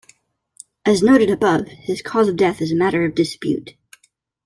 As noted above, his cause of death is a matter of dispute.